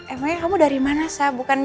emangnya kamu dari mana saya